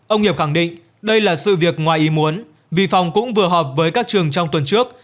ông hiệp khẳng định đây là sự việc ngoài ý muốn vì phòng cũng vừa họp với các trường trong tuần trước